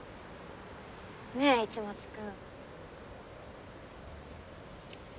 ねえ市松君。